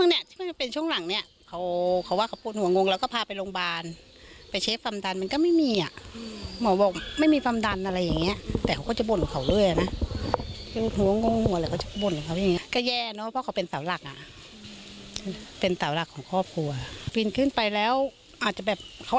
อะไรก็เข้าจากนี้ว่าพอพักนิดนึงอะไรอย่างเงี้ย